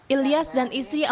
ilyas dan istri awalnya